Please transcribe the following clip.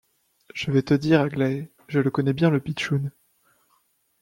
Je vais te dire Aglaé : je le connais bien, le pitchoun.